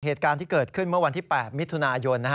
เหตุการณ์ที่เกิดขึ้นเมื่อวันที่๘มิถุนายน